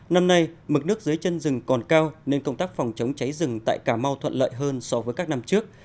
năm nay mực nước dưới chân rừng còn cao nên công tác phòng chống cháy rừng tại cà mau thuận lợi hơn so với các năm trước